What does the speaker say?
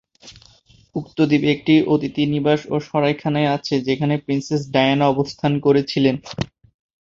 উক্ত দ্বীপে একটি অতিথি নিবাস ও সরাইখানা আছে যেখানে প্রিন্সেস ডায়ানা অবস্থান করেছিলেন।